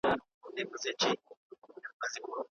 طالبان راتلای سي .